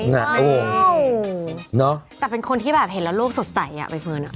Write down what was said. นี่แหละโอ้วเนาะแต่เป็นคนที่แบบเห็นแล้วลูกสดใสเนี่ยเว้ยเพลิน